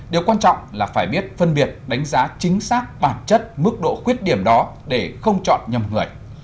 điều quan trọng là phải biết phân biệt đánh giá chính xác bản chất mức độ khuyết điểm đó để không chọn nhầm người